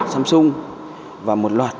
samsung và một loạt